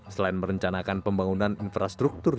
selain merencanakan pembangunan infrastruktur